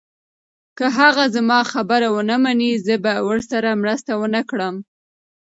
که هغه زما خبره ونه مني، زه به ورسره مرسته ونه کړم.